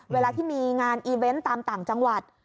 เวลาที่มีงานอีเวนต์ตามต่างจังหวัด